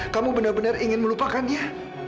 kamu benar benar ingin melupakannya